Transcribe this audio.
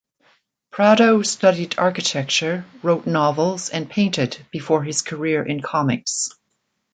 Prado studied architecture, wrote novels and painted before his career in comics.